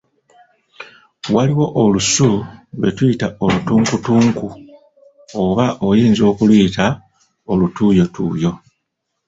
Waliwo olusu lwe tuyita "olutunkutunku", oba oyinza okuluyita olutuuyotuuyo.